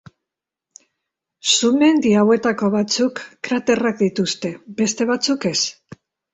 Sumendi hauetako batzuk kraterrak dituzte, beste batzuk ez.